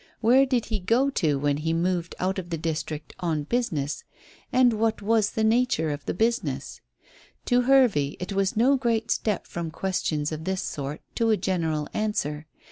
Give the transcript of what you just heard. Where did he go to when he moved out of the district on business, and what was the nature of the business? To Hervey it was no great step from questions of this sort to a general answer.